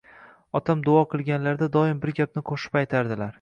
Otam duo qilganlarida doim bir gapni qoʻshib aytardilar